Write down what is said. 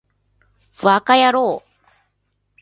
ヴぁかやろう